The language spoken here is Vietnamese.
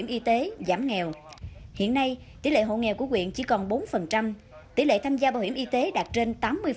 y tế giảm nghèo hiện nay tỷ lệ hộ nghèo của quyện chỉ còn bốn tỷ lệ tham gia bảo hiểm y tế đạt trên tám mươi